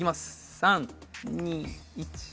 ３２１